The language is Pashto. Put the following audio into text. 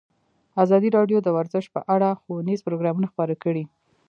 ازادي راډیو د ورزش په اړه ښوونیز پروګرامونه خپاره کړي.